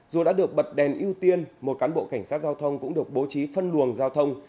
dù đã được bật đèn ưu tiên một cán bộ cảnh sát giao thông cũng được bố trí phân luồng giao thông